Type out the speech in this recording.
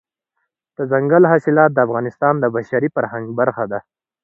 دځنګل حاصلات د افغانستان د بشري فرهنګ برخه ده.